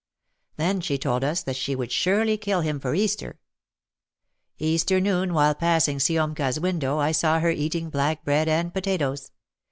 Then she told us that she would surely kill him for Easter. Easter noon while passing Siomka' s window I saw her eating black bread and potatoes.